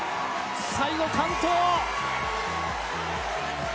最後、完登！